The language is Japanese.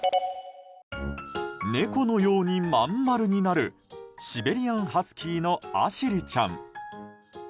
猫のように真ん丸になるシベリアンハスキーのアシリちゃん。